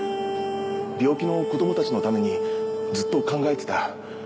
病気の子供たちのためにずっと考えてた。